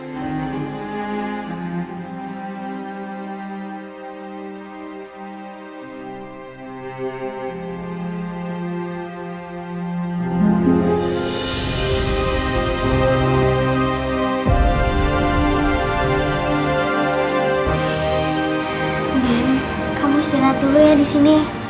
mending kamu istirahat dulu ya disini